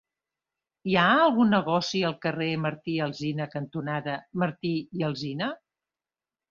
Hi ha algun negoci al carrer Martí i Alsina cantonada Martí i Alsina?